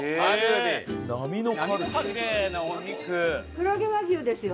黒毛和牛ですよ。